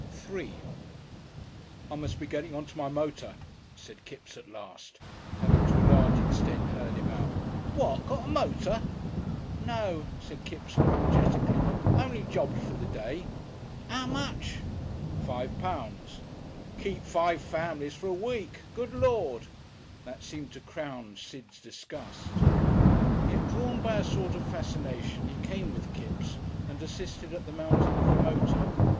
§3 "I must be gettin' on to my motor," said Kipps at last, having to a large extent heard him out. "What! Got a motor?" "No!" said Kipps apologetically. "Only jobbed for the day." "'Ow much?" "Five pounds." "Keep five families for a week! Good Lord!" That seemed to crown Sid's disgust. Yet drawn by a sort of fascination he came with Kipps and assisted at the mounting of the motor.